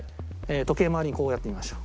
時計回りにこうやってみましょう。